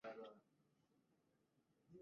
এতটা রূঢ় তিনি না হলেও পারতেন।